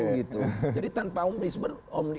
jadi tanpa omnismer